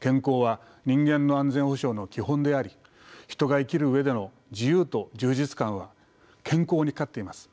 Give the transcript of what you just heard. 健康は人間の安全保障の基本であり人が生きる上での自由と充実感は健康にかかっています。